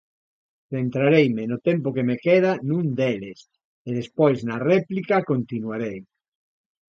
Centrareime, no tempo que me queda, nun deles; e despois, na réplica, continuarei.